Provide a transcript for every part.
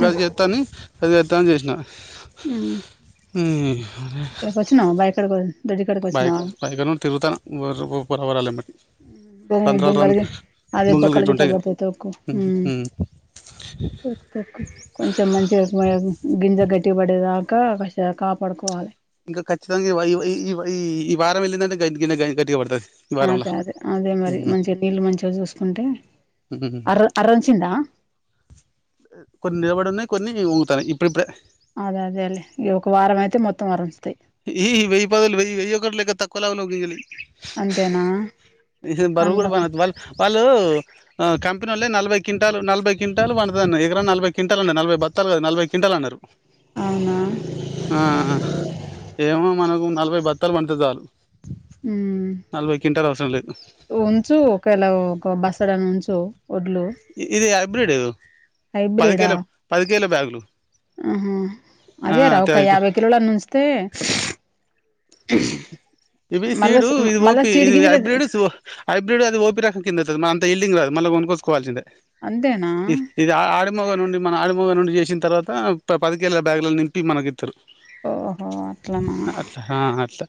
గదిగెత్తని గదిజెత్తంది అని చేసిన ఉమ్ ఉమ్ ఇక్కడికి వచ్చినా బా ఇక్కడికి వ బయక్ బైకను తిరుగుత్తన్న ఓర్ ఉర్రవల్ల ఎమ్మటి ఉమ్ బ బుగ్గలగిన్ని అదే బొంగలు బొక్కల్ గిట్ల గిట ఉంటాయి కదా. బడతతి ఒకు ఉమ్ కొంచెం మంచిగా [unintelligible] గింజర్ గట్టిబడేదాకా వర్ష కాపాడుకోవాలి ఇంకా ఖచ్చితంగా ఈ ఈ వారం వెళ్ళిందంటే గైన్గిని గట్గా పడుతాది అదే అదే అదే మరి మంచిగా నీళ్ళు మంచిగా చూసుకుంటే ఉమ్. అర్ అరంచిందా కొన్ని నిలబడ ఉన్నాయి కొన్ని ఉంగుతాన్నాయ్ ఇప్పుడు ఇప్పుడు అదే అదే లే ఇ ఒక వారం అయితే మొత్తం వరంచుతాయి ఈ ఈ వెయ్యి పదులు వెయి వెయ్యి ఒకడలక తక్కువలా ని అంతేనా ఇ బరుగు కూడా పండ్లకు బన వాల్ వాళ్ళు కంపెనీ వాళ్లే నలభై క్వింటాల్ నలభై క్వింటల్ వంటదని ఎగర నలభై క్వింటా ఉండి నలభై బత్తులు నలభై క్వింటల్ అన్నారు అవునా ఆ ఏమో మనకు నలభై బత్తాలు పండితే చాలు ఉమ్ నలభై కింట్టలు అవసరం లేద్ ఉంచు ఒకేళ ఒక బసడా అని ఉంచు ఒడ్లు ఇది హైబ్రేడ్ పదికేల హైబ్రిడా పదికేల బ్యాగ్ ఆహా అదేరా ఒక థ్యాంక్ యాభై కిలోలయిన ఉంచితే అ ఇవి సీడు ఇది ఓపి ఇది హైబ్రిడ్ సో హైబ్రిడ్ అది ఓపి రకం కింద వత్తాది మన అంత ఎల్డింగ్ రాదు మల్లా కొనుక్కోచ్చుకోవాల్సిందే అంతేనా ఇ ఇది ఆడమగ నుండి మన ఆడమగ నుండి చేసిన తర్వాత త ప పదికేల బ్యాగులను నింపి మనకి తిరు ఓహో అట్లనా ఆహ్ అట్లా ఆహ్ అట్లా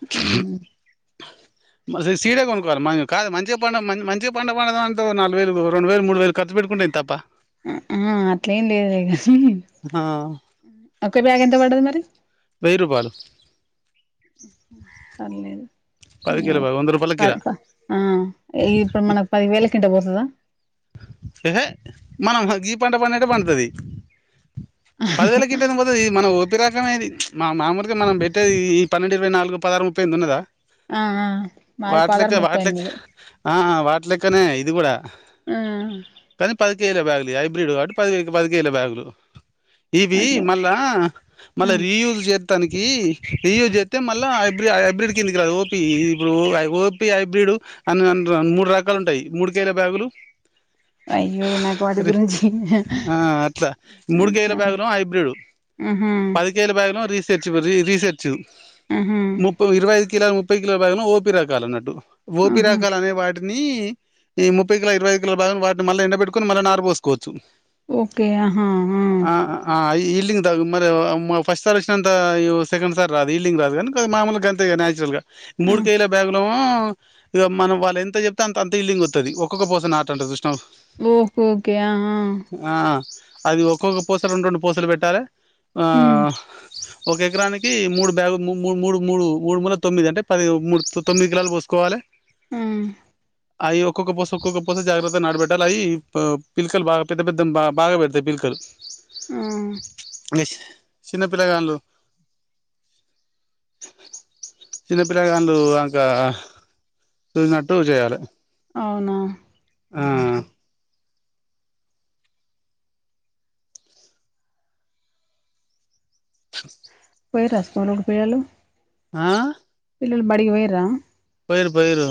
[inaudible] మంచి సీర కొనుక్కవాలి మన్ కాదు మంచిగా పండ మంచి పంట పండితే అంత ఒక నాలుగువేలు రెండు వేలు మూడు వేలు ఖర్చు పెట్టుకుంట నేను తప్ప అహా అట్లేం లేదే కానీ ఒక బ్యాగ్ ఎంత పడతాది మరి వెయ్యి రూపాలు పర్లేదు పది కిలో వంద రూపాయల కిలా పది ప ఆహ్ ఇప్పుడు మనకు పది వేల కింట పోతుదా ఎహె మనం గీ పంట పడినట్టే పండుతాది పదివేల కింట అయిన పోతాది మన ఓపి చెప్పె రకమ ఇది మా మామూలుగా మనం పెట్టేది ఈ పన్నెండు ఇరవై నాలుగు పదహారం ముప్పైయింది ఉన్నదా ఆ ఆ మాది వాటి పదారు లెక్క ముప్పై వాటి లెక్క ఎనిమిది ఆ వాటిలక్కనే ఇది కూడా మ్మ్ ఐదు కేజీల బ్యాగులు హైబ్రిడ్ కాబట్టి పది పదికేజీల బ్యాగులు ఇది అదే మళ్ళా మళ్ళా రీయూజ్ చేత్ తనికి ఇయూజ్ చేత్తే మళ్ళా హైబ్రిడ్ హైబ్రిడ్ కిందికి రాదు ఓపి ఇప్పుడు ఓపి హైబ్రిడ్ అను అను మూడు రకాలు ఉంటాయి మూడు కేజీల బ్యాగులు అయ్యో నాకు వాటి గురించి ఆ అట్లా మూడి కేయల అట్లా బ్యాగులు హైబ్రిడు ఆహా పదికేళ బ్యాగ్ ను రీసెట్ రీ రీసెర్చ్ ఆహా ముప్ప ఇరవై ఐదు కిలోలు ముప్పై కిలో బాగ ఓపి రకాల అన్నట్టు ఓపి ఆహా రకాలనే వాటిని ఈ ముప్పై కిలో ఇరవై కిలో వాటిని ఎండ బెట్టుకుని మళ్ళీ నార్ పోసుకోవచ్చు ఓకే ఆహా ఆ ఈల్డింగ్ తాగు మరి మా ఫస్ట్ సార్ వచ్చినంత సెకండ్ సార్ రాదు ఈల్డింగ్ రాదు కానీ మామూలుగా అంతే న్యాచురల్ గా ఆ మూడు కేల బ్యాగును ఇగ మనం వాళ్ళ ఎంత చెప్తే అంత అంత ఇల్లింగ్ వత్తది ఒక్కొక్క పోస నాటితే ఓకే ఓకే ఆ ఆ ఆ అది ఒక్కొక్క పూస రెండు రెండు పూస్లు పెట్టాలి ఆ హ్మ్ ఒక ఎకరానికి మూడు బ్యాగు మూడు మూడు మూడు మూడు మూల తొమ్మిది అంటే పది మూడు తొమ్మిది ఎకరాలు పోసుకోవాలి మ్మ్ అయ్ ఒక్కొక్క బస్ ఒక్కోక కోస జాగ్రత్తగా నాడుబెట్టాలి అవి పిలకలు బాగా పెద్ద పెద్ద బా బాగా పెడతయి పిలకలు ఆ చిన్నపిల్లగాళ్లు చిన్న పిల్లగాళ్లు ఇంకా చూసినట్టు చేయాలి అవునా ఆ పోయి రాసుకోని ఒకపోయలు ఆ పిల్లలు బడికి పోయ రా పు యరు పు యరు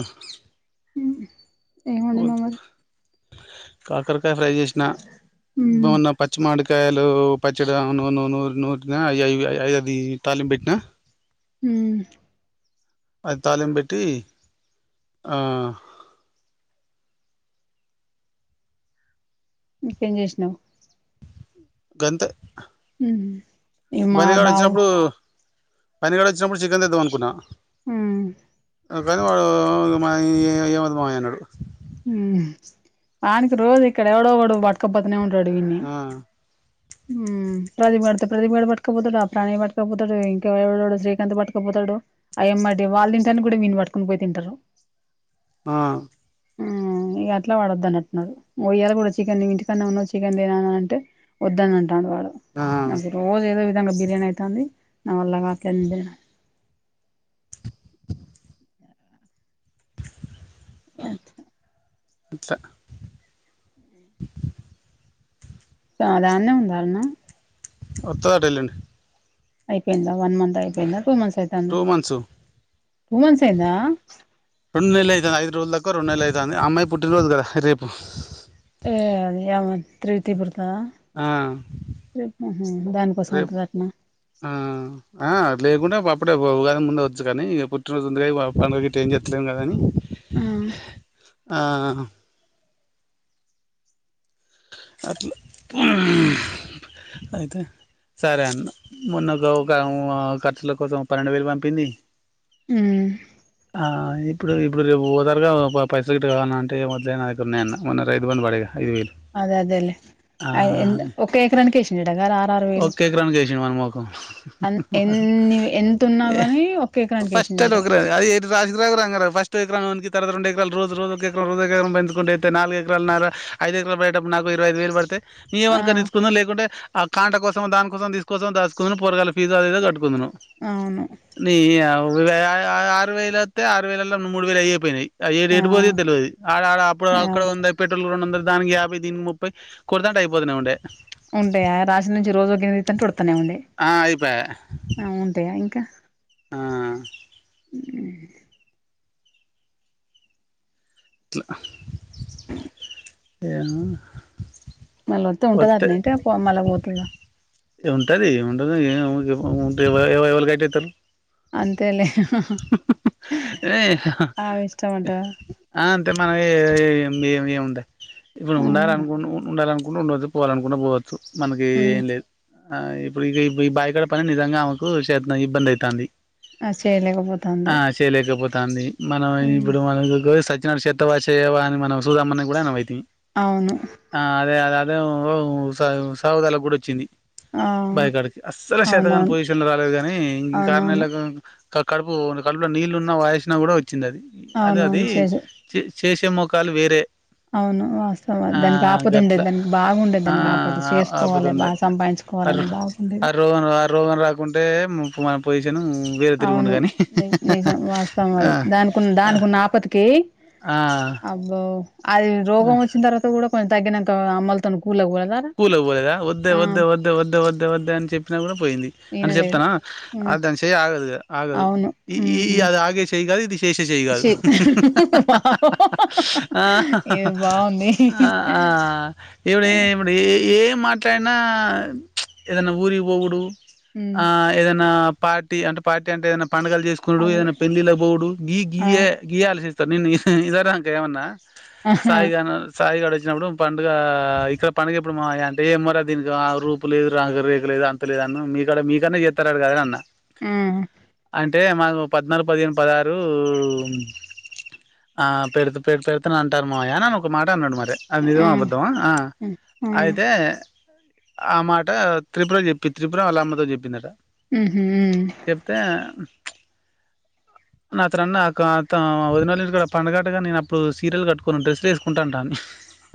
ఏ మంటనా మరి కాకరకాయ ఫ్రై చేసిన హ్మ్ న్న పచ్చి మాడికా కాయలు పచ్చడి నూరు నూరు ఐది తాలిం పెట్టినా హ అది తాలిం పెట్టి ఆ ఇకం కశణ గంత ఉ బనిగాడ వచ్చినప్పుడు బనిగాడ వచ్చినప్పుడు చికెన్ తెద్దాం అనుకున్నాను ఆ కానీ వాడు మా ఏమతమామ అన్నాడు ఆయనికి రోజు ఇక్కడ ఎవడో ఒకడుో పట్కపోతేనే ఉంటాడు విన్ని ఆ హ ప్రతిడుత ప్రతిడు పటుకపోతాడు ఆ ప్రాి పటుకపోతాడు ఇంకాడు శ్రీకాంత్ పటుకపోతాడు అ ఏమంట వాళ్ళింటని కూడా విని పట్టుకుని పో తింటారు ఆ ఆ అట్లా వాడొద్దదు అంటున్నాడు పోయ్యి కూడా చికెన్ ఇంటికన్నా ఉన్నావు చికెన్ తే అంటే వద్ద అంట ఆ వాళ్ళ రోజ ఏదో బిర్యానీ అఐతా ఉంది నవ అల్లగాద్దే అ అచా సోధాన్నే ఉండాలన్నా ఉత్తరా టైలండి అయిపోయిందా వన్ మంత్ అయిపోయిందా టూ మంత్ తంద టూ మంత్స్ పూవన్ సైంద రెండుెల అయితుంది ఐదు రోజు దకు రెండుెల అయింది అమ్మాయి పుటినరోజుదా రేపు ఏ అ అమంత ప్రీతి బత ఆ దానికోసం రేపు ఉంటంది అట్న ఆ లేకుంటే అప్పుడేగా ముందే వచ్చ కానీ ఇక పుట్టినరోజుంది పండుగ గట్ ఏం చేస్తలేము కాదని ఆ ఆ అ అయితే సరే అ మొన్న ఒక ఒక ఖర్చుల కోసం పన్నెండు వేలు పంపింది హ ఆ ఇప్పుడు ఇప్పుడు రేపు ఓదారుగా పైసటు కావాల అంటే మొదలైన అ ఉన్నాన్న మొ రైతుబం పడేగా ఐదు వేలు అదే అదేలే ఒ ఒక ఏకరనికి కేషండా క ఓకే క్రన్ చేస మన మోకు అన్ ఎన్ని ఎంతున్నా గాని ఒక ఎకరానికి వేసిండట అది రా ఎ ఫస్ట్ ఎకరానికి తవాత రెడు ఎకాల రోజ రోజ ఒక ఎకరా రోజ ఎకర పెంచుకు అయితే నాలుగు ఎకలు ఉన్నారు ఐ డట నాకు ఇవైఐదు వేలు పతతే ఆ నమనుక తీచ్చుకుందం లేకుంటే ఆ కాంటా కోసం దానికోసం తీసుకోసం దాుకుందం పొరగాల ఫీజు అద కట్టు కొ న అవును ఆరు వేల అస్తతే ఆరు వేలలా మూడు వేలు అయియిపోయినాయి ఏ ఆ ఎడిపోతే తెలియదు ఆడ ఆడ అప్పుడు ఆ అక్కడ ఉంది పెట్రోల్ కూడా ఉ దానికి యాభై దీనికి ముప్పై కుదాంటే అయిపోతున్నా ఉండడి ఉంటాయా రాశి నుంచి రోజుకింటుడతానే ఉండి ఆ అయిపాయే ఆ ఉంటాయా ఇంకా ఆ ఆ చ ఏ మళ్ళీ వస్త ఉంటద అట్ ఏంట మళ్ళ పోతుందా ఉంటది ఉంటది ఇవైళ గైట్ అవుతారు అంతే లె ఆమె ఇష్టం అంటవా [unintelligible] అయితే మన ఏ ఏముంది ఇప్పుడు ఆ ఉమ్ ఉండాలనుకుంట ఉండాలనుకుంటే ఉండచ్చదు పోవాలనుకుంటే పోవచ్చు మనకి ఏం లేదు ఆ ఇప్పుడు ఇక ఈ భైకడ పని నిజంగా ఆమెకు చే ఇబ్బంది అవుతుంది అది చేయలేకపోతాంది ఆ చేయలేకపోతా అండి మనం ఉమ్ ఇప్పుడు మన త చె అని మనం చూద్దామని కూడాన అవుత అవును ఆ అదే అ అదే సాగుదాలకు కూడా వచ్చింది ఆ బైకాడకి అస్సలు శతకాని అవునవును పొజిషన్ లో రాలేదు కాగానీ ఇంకా అవునవును కణ కడుపు కడుపులో నీళ్ళు ఉన్న వాసిన కూడా వచ్చింది అది అది అది అవునవును చేసే చేసే ముఖాలు వేరే అవును వాస్తవాం ఆ దానికి ఆపద గట్ల ఉండేది దానికి బాగుండేది దానికి ఆపదు చేసుకోవాలి ఆపదుండే బాగా సంపాదించ ఆ ఆ రోగం ఆ రోగం రాకుంటే మన పొజిషన్ వేరే తిరుగుండు అవును కానీ నిజం వాస్తాం మరి ఆ దానినికిన్న దానినికిన్న ఆపతికి ఆ అబ్బ అది రోగం వచ్చిన తర్వాత కూడా కొంచెం తగ్గినాక అమ్మలు తనుకో కూల పోలేదా వద్దే వద్దే వద్దే వద్దే వద్దే వద్దే అని చెప్పినా కూడా పోయింది అని ఈనలేదు చెప్తానా మ్ అది దాని చేయ ఆగదు ఆదు అవును ఈ ఈ మ్ అది ఆగే చేయగాదు ఇది ఛీ వావ్ ఇది బాగుంది [unintelligible] [unintelligible] ఏ మాట్లాడినా ఏదైనా ఊరికి పొగుడదు మ్ ఆ ఏదైనా పార్టీ అంటే పార్టీ అంటే ఏదైనా పండుగలు చేసుకున్నాడు అదే ఏదైనా పెళ్ళిల పోోవుడు గీ ఆ గీయ గీయ ఆలోచ నేన్న ఇదార అంక ఏమన్నా ఆహా సాయిగా సాయిగాడ వచ్చినప్పుడు పండుగ ఇక్కడ పనికి ఎప్పుడు మా అంటే ఏమరా దీనికి ఆ రూపు లేదు రాక రేఖ లేదు అంత లేదు అన్న మీక్కడ మీకన్నా చేస్తారాడు కదని అన్న మ్ అంటే మాకు పద్నాలుగు పదిహేను పదహారు ఆ పెడుతుూ పె పెడుతు అంటారు మాయా అని ఒక మాట అన్నాడు మరి అరే అది నిజం ఆ ఆ అబద్ధమా అయితే ఆ మాట త్రిపురం చెప్పి త్రిపురం అళ్ల అమ్మతో చెప్పిందట ఉ అతనున్న ఉద న పండడుగటగా నే అప్పుడు సీరియల్ కట్టుొనిను డ్రెస్లు వేసుకుంటా అంటాను అ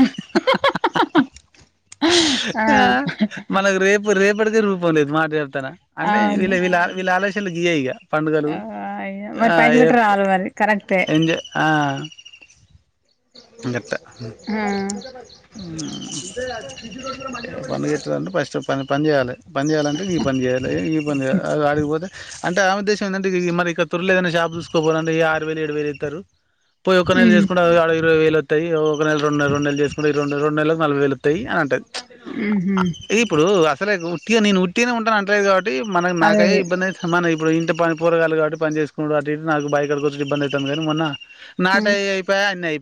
ఆ మనకు రేపు రేపటికి రూపం లేదు మాట్లాడు అంటే అవును వీళ్ళ వీళ్ళ వీళ్ళ ఆలోచయలు గీయ ఇక పండుగలు అయ్యో మరి ఆ పైసలు ఏ ఎట్ట రావాలి మరి కరెక్టే ఎండి ఆ ఇ గట్ల [unintelligible] అంటే ఫస్ట్ పని చేయాలి పని చేయాలంటే నీ పని చేయాలి నీ పని చేయాలి అది ఆడిగిపోతే అంటే ఆమె ఉద్దేశం ఏంటే మరి ఇక త్వరలో ఏదైనాషపు చూసుకోవాల అంటే ఈ ఆరు వేలు ఏడు వేలు అవుతారు పోయి ఒక నెల మ్ చేసుకుంట అ ఇరవ వేలు వాయి ఒకెల రెడు రండుెల చేసుకుని రెడు రెడు నలలకు నల వేలుయి అని అంటది మ్హు ఇప్పుడు అసలేట్టి నేను ఉట్టినే ఉంటాను అంటదు కాబట్టి మనకి నాక అదే అదే ఇబ్బందియి సమానం ఇప్పుడు ఇంటి పరరాగాలు కాట్టి పని చేసుకు నాకు బయడ కూర్చ్చు ఇబ్బంది అవుతుంది కానీ మొన్న నాట మ్ అవి అయిపోయా అన్ని అయియి ఏ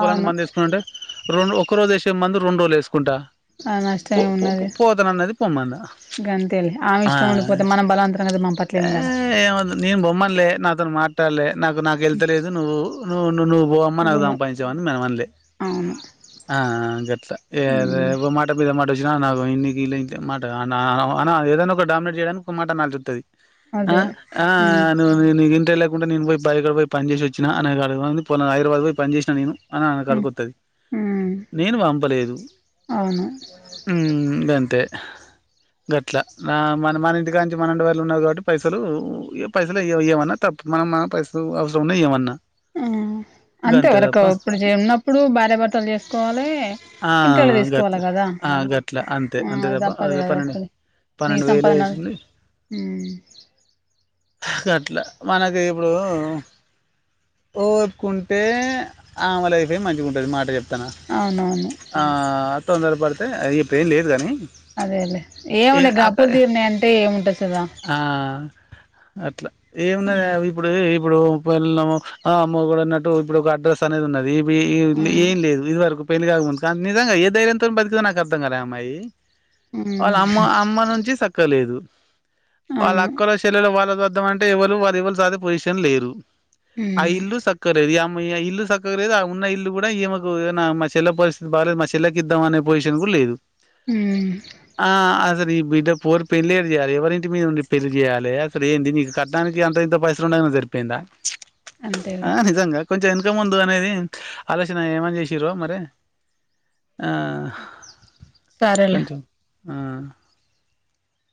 పొలాం మందు వేసుకుంటే రెండు ఒక రోజు వే మందు రెండు రోజులు వేసుకుంటా ఆ పో నష్టమే పో ఉన్నది పోతన అన్నది పోమాందా గంతేలే ఆమె ఆ ఇష్టం ఉండిపోతే మనం బలవంతంగా అయితే పంపట్లేము కదా ఆ నన్ బొమ్మల్లే నాతను మాట్ ట్ట నాకు నాకు వెెళ్తలేదు నువ్వు ను్వు నువ్వు బ నాలుగు ఉమె సంపాదించేవు అని మేం ఆన్లే అవును గట్లా ఉమ్ ఏవో మాట మీద మా మాట వచ్చినా నాకు ఇకి ఇ మాట ఏదైనా ఒక డామినేట్ చేయడానికి ఒక మాటనటు చుస్తాది ఆ అదే ఆ ఉమ్ నువు నీవు ఇంతే లే నేను పోయి బైక్కడ పోయి పని చేసి వచ్చినా అ హైరాబాద్ పోయి పని చేసిన నేను అని ఆన ఉమ్ కడుకతది ఉమ్ నేను పంపలేదు అవును ఉ గంతే గట్ల మన మన ఇంటికా నుంచి మనం వళ ఉన్నారు కాబట్టి పైసలు పైసలు ఇవమన్నా తప్పు మన మన పైస్త అవసరం ఉన్నాయ్ ఏమన్నా ఆ అంతే వరకు ఇప్పుడు ఉన్నప్పుడు భార్యాభర్తలు చేసుకోవాలి ఆ ఇంటోళ్ళు తీసుకోవాలి గట్లా కదా ఆ గట్లా అంతే ఆ అంతే అది తప్ప తప్పదు అదే కదా పన్నెండు తప్పదు నీ పన్నెండు వేలు సంపాదన వేసింది ఉమ్ ఇట్లా మనకి ఇప్పుడు చూసుకుం అంటే ఆమె లైఫే మంచిగా ఉంటుంది మాట చెప్తన అవునవును తొందర పడితే ఇప్పుడు ఏం లేదుగాని అదే అది ఏమన్నాయి గ అప్పులు తీరినాయి అంటే ఏముంటది దా ఆ అట్లా ఏమున్నది వా ఇప్పుడు ప ఆ అమ్మ కూడా న ఇప్పుడు ఒక అడ్రస్ అనేది ఉన్నది ఇ ఉమ్ ఏం లేదు ఇది వరకు పెళ్లి కాకముందు నిజంగా ఏ ధైర్యంతో బతుకుంటుంది నాకు అర్థం కాదు అమ్మాయి ఉమ్ వాళ్ళ అమ్మ అమ్మ నాటే సక్కగలేదు వాళ్ళ అవును అక్కల చెలలో వాళ్ళ సాద్దామ అంటే ఎవ్వరు వాళ్ళ ఎవ్వరు సాధే పొజిషన్ ల లేరు అ ఉమ్ ఇల్లు సక్క ఇల్లు సక్కగా లేదు ఆ ఉన్న ఇల్లు కూడా ఈమకు మా చెల్ల పరిస్థితి బాగాలేదు మా చెల్లకి ఇద్దాం అనే పోజి కూడా లేదు ఉమ్ ఆ అదే న బిడ్డ పోరు పెళ్లి ఏరు చేయాల ఎవరింటి మీద ఉండి పెళ్లియాలి అసే ఏంటి నీకు కట్నానికి అంత ఇంత పైసలు ఉండ జరిపేందా అంతేరా జంగా కొంచెం ఎంక ముందు అనేది ఆలోచన ఏమని చేసిరో మరి ఆ సరేలే కొంచెం ఆ